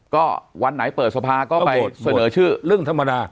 ก็วันไหนเปิดสภาก็ไปเสนอชื่อเรื่องธรรมดา